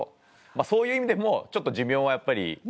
まあそういう意味でもちょっと寿命はやっぱり。